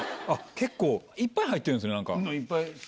結構いっぱい入ってるんすね。